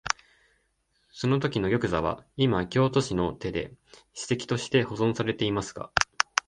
そのときの玉座は、いま京都市の手で史跡として保存されていますが、